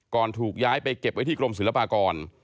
ถูกย้ายไปเก็บไว้ที่กรมศิลปากร